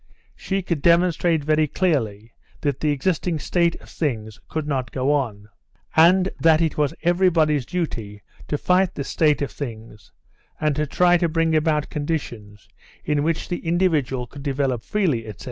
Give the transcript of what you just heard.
She could demonstrate very clearly that the existing state of things could not go on, and that it was everybody's duty to fight this state of things and to try to bring about conditions in which the individual could develop freely, etc.